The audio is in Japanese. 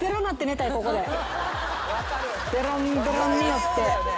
ベロンベロンに酔って。